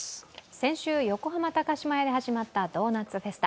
先週、横浜高島屋で始まったドーナツフェスタ。